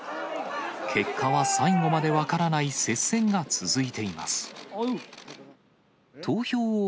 結果は最後まで分からない接戦が続いています。